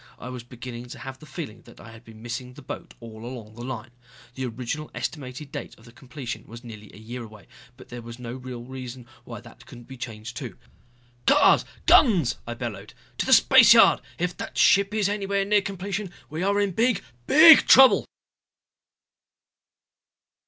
I was beginning to have the feeling that I had been missing the boat all along the line. The original estimated date of completion was nearly a year away. But there was no real reason why that couldn't be changed, too. "Cars! Guns!" I bellowed. "To the spaceyard. If that ship is anywhere near completion, we are in big, big trouble!"